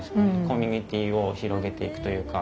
コミュニティーを広げていくというか。